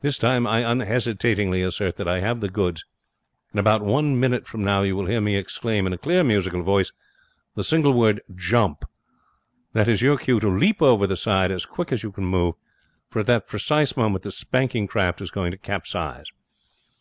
This time I unhesitatingly assert that I have the goods. In about one minute from now you will hear me exclaim, in a clear musical voice, the single word, "Jump!" That is your cue to leap over the side as quick as you can move, for at that precise moment this spanking craft is going to capsize.'